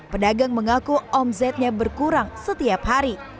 pedagang mengaku omsetnya berkurang setiap hari